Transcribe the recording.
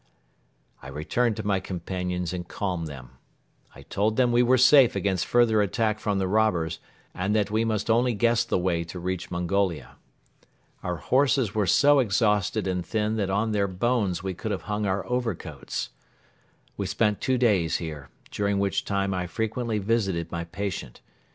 I returned to my companions and calmed them. I told them we were safe against further attack from the robbers and that we must only guess the way to reach Mongolia. Our horses were so exhausted and thin that on their bones we could have hung our overcoats. We spent two days here, during which time I frequently visited my patient.